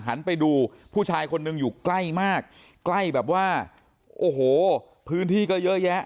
หันไปดูผู้ชายคนหนึ่งอยู่ใกล้มากใกล้แบบว่าโอ้โหพื้นที่ก็เยอะแยะ